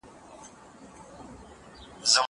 دا وخت له هغه مهم دی!